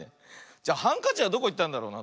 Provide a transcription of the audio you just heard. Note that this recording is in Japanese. じゃハンカチはどこいったんだろうな。